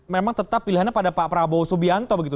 memang tetap pilihannya pada pak prabowo subianto begitu